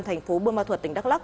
thành phố buôn ma thuật tỉnh đắk lắc